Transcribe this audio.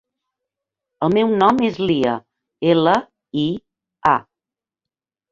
El meu nom és Lia: ela, i, a.